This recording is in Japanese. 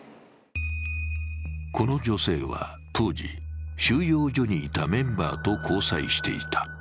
この女性は当時、収容所にいたメンバーと交際していた。